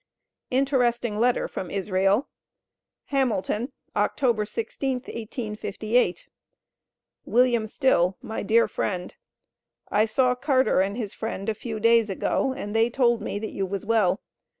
INTERESTING LETTER FROM ISRAEL. HAMILTON, Oct. 16, 1858. WILLIAM STILL My Dear Friend: I saw Carter and his friend a few days ago, and they told me, that you was well.